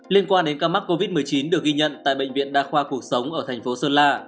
liên quan đến ca mắc covid một mươi chín được ghi nhận tại bệnh viện đa khoa cuộc sống ở thành phố sơn la